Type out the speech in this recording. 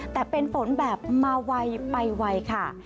แต่เป็นฝนแบบมาไวไปไวค่ะ